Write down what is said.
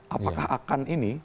apakah akan ini